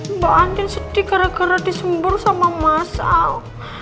mbak antin sedih gara gara disembur sama mas al